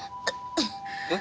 えっ？